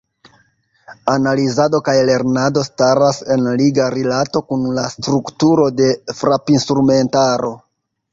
Analizado kaj lernado staras en liga rilato kun la strukturo de frapinstrumentaro.